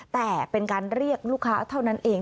แต่เป็นการเรียกลูกค้าเท่านั้นเอง